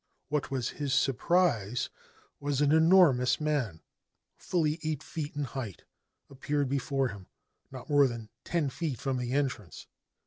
What was his surprise when an enormous man, fully eight feet in height, appeared before him, not more than ten feet from the entrance